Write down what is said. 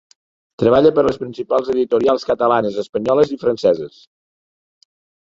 Treballa per a les principals editorials catalanes, espanyoles i franceses.